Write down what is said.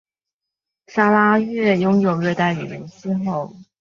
砂拉越拥有热带雨林气候。